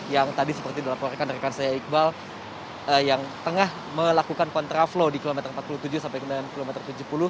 yang tadi seperti dilaporkan rekan saya iqbal yang tengah melakukan kontraflow di kilometer empat puluh tujuh sampai kilometer tujuh puluh